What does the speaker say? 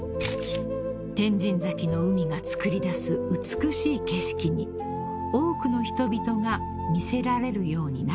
［天神崎の海がつくり出す美しい景色に多くの人々が魅せられるようになりました］